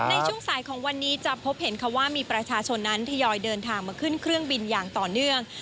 ในช่วงสายของวันนี้จะพบเห็นค่ะว่ามีประชาชนนั้นทยอยเดินทางมาขึ้นเครื่องบินอย่างต่อเนื่อง